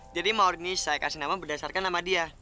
jadi maor ini saya kasih nama berdasarkan nama dia